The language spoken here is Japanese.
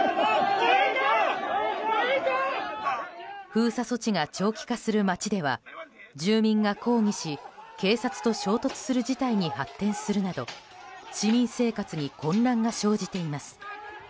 封鎖措置が長期化する街では住民が抗議し警察と衝突する事態に発展するなど市民生活に混乱が生じています。